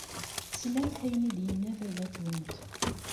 Teslamt ayen ay d-yenna baba-twent.